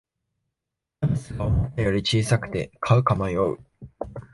キャベツが思ったより小さくて買うか迷う